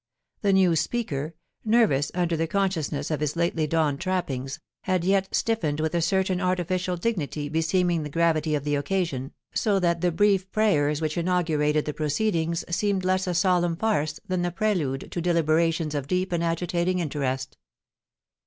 The new Speaker, nervous under the consciousness of his lately donned trappings, had yet stiffened with a certain artificial dignity beseeming the gravity of the occasion, so 400 POLICY AND PASSIOiV. that the brief prayers which inaugurated the proceedings seemed less a solemn farce than the prelude to deliberatioDS of deep and agitating interest.